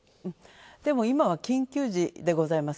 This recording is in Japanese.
でも、今は緊急時でございます。